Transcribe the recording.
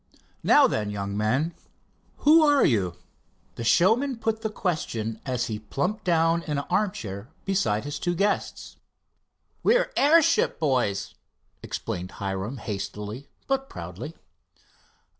Now then, young men, who are you?" The showman put the question as he plumped down in an armchair besides his two guests. "We're airship boys," explained Hiram hastily, but proudly.